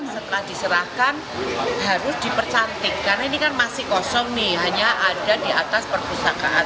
setelah diserahkan harus dipercantik karena ini kan masih kosong nih hanya ada di atas perpustakaan